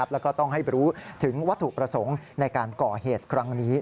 แล้วก็ต้องให้รู้ถึงวัตถุประสงค์ในการก่อเหตุครั้งนี้